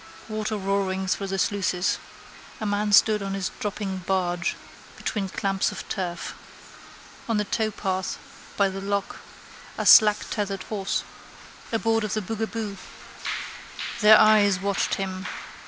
Water rushed roaring through the sluices. A man stood on his dropping barge, between clamps of turf. On the towpath by the lock a slacktethered horse. Aboard of the Bugabu. Their eyes watched him.